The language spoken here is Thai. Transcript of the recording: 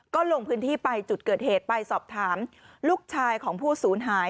ก็ลงพื้นที่ไปจุดเกิดเหตุไปสอบถามลูกชายของผู้สูญหาย